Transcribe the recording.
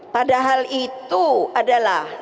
padahal itu adalah